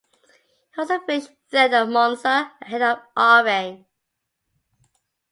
He also finished third at Monza, ahead of Irvine.